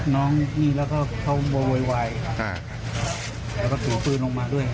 น้องนี่แล้วก็เขาโวยวายแล้วก็ถือปืนลงมาด้วย